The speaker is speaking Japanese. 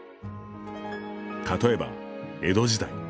例えば、江戸時代